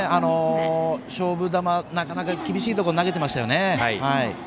勝負球、なかなか厳しいところに投げてましたよね。